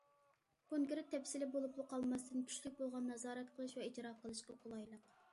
كونكرېت تەپسىلىي بولۇپلا قالماستىن، كۈچلۈك بولغان نازارەت قىلىش ۋە ئىجرا قىلىشقا قولايلىق.